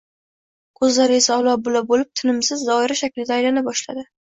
Ko‘zlari esa ola-bula bo‘lib, tinimsiz, doira shaklida aylana boshladi.